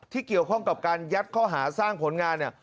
ที่เกี่ยวข้องกับการยัดข้อหาสร้างผลงานเนี่ย